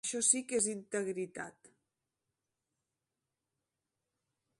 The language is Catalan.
Això sí que és integritat!